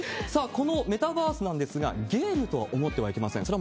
さあ、このメタバースなんですが、ゲームと思ってはいけません。